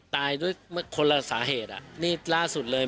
ตายด้วยคนละสาเหตุนี่ล่าสุดเลย